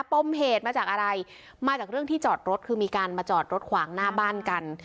ปมเหตุมาจากอะไรมาจากเรื่องที่จอดรถคือมีการมาจอดรถขวางหน้าบ้านกัน